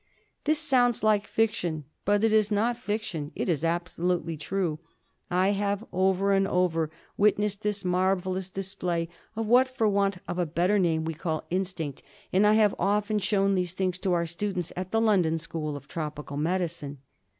This sounds like fiction. But it is not fiction ; it is absolutely true. I have over and over again witnessed this marvellous display of what, for want of a better name^ we term instinct, and I have often shown these things to our students at the London School of Tropical Medicine.